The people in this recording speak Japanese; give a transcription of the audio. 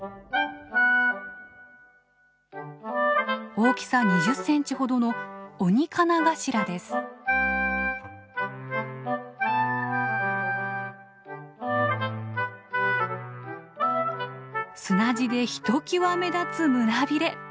大きさ２０センチほどの砂地でひときわ目立つ胸びれ。